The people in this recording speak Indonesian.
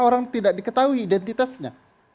orang tidak diketahui identitasnya